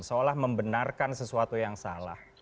seolah membenarkan sesuatu yang salah